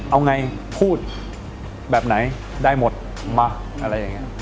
เอาไงพูดแบบไหนได้หมดมาอะไรอย่างนี้